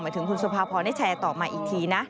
ถึงคุณสุภาพรได้แชร์ต่อมาอีกทีนะ